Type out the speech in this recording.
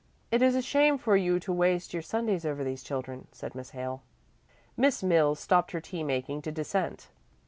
"It's a shame for you to waste your Sundays over these children," said Miss Hale. Miss Mills stopped her tea making to dissent.